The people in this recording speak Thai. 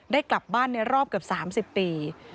ได้กลับบ้านรอบกับ๓๐ปี